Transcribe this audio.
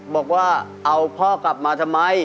บอกว่าเอาพ่อกลับมาทำไม